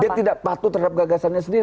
dia tidak patuh terhadap gagasannya sendiri